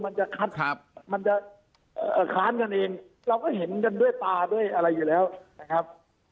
มันจะคัดมันจะค้านกันเองเราก็เห็นกันด้วยตาด้วยอะไรอยู่แล้วนะครับ